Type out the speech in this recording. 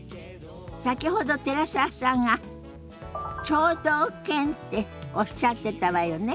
先ほど寺澤さんが聴導犬っておっしゃってたわよね。